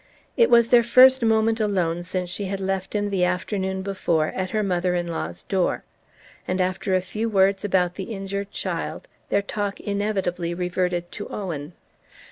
It was their first moment alone since she had left him, the afternoon before, at her mother in law's door; and after a few words about the injured child their talk inevitably reverted to Owen.